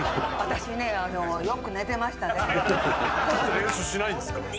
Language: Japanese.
「練習しないんですか？」